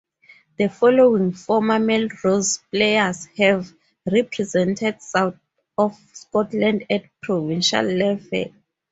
The following former Melrose players have represented South of Scotland at provincial level.